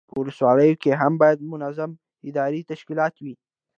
په ولسوالیو کې هم باید منظم اداري تشکیلات وي.